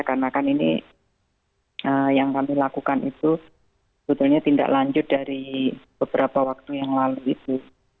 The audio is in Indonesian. karena kan ini yang kami lakukan itu sebetulnya tidak lanjut dari beberapa waktu yang lalu itu